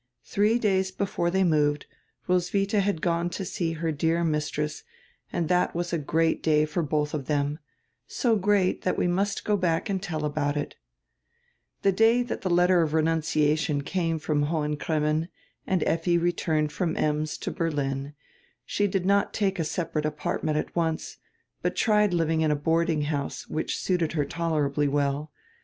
Three days before diey moved Roswidia had gone to see her dear mistress and diat was a great day for both of diem, so great diat we must go back and tell about it The day diat die letter of renunciation came from Hohen Cremmen and Effi returned from Ems to Berlin she did not take a separate apartment at once, but tried living in a boarding house, which suited her tolerably well.